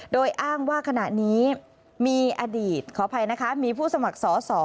โดยอ้างว่าขณะนี้มีอดีตขออภัยนะคะมีผู้สมัครสอสอ